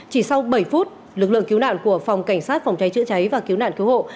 chỉ sau bảy phút lực lượng cứu nạn của phòng cảnh sát phòng cháy chữa cháy và cứu nạn cứu hộ